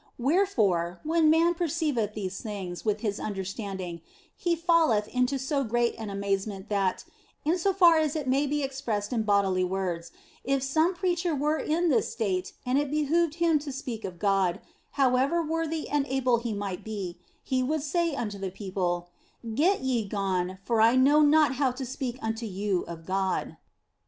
Wherefore, when man perceiveth these things with his understanding he falleth into so great an amazement that (in so far as it may be expressed in bodily words) if some preacher were in this state and it behoved him to speak of God, however worthy and able he might be, he would say unto the people, " Get ye gone, for I know not how to speak unto you of God."